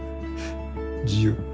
自由。